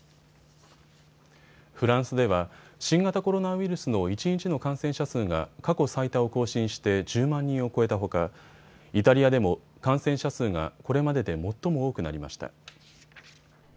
フランスでは新型コロナウイルスの一日の感染者数が過去最多を更新して１０万人を超えたほか、イタリアでも感染者数がこれまでで最も多くなりました。